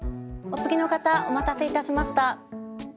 お次の方お待たせいたしました。